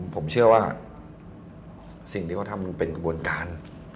ผมเชื่อว่าสิ่งที่เขาทำมันเป็นกระบวนการ